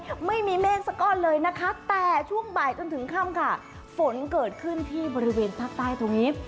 ยังไม่มีเมฆสักก้อนเลยนะคะแต่ช่วงบ่ายจนถึงค่ำค่ะฝนเกิดขึ้นที่บริเวณภาคใต้ตรงนี้